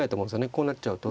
こうなっちゃうと。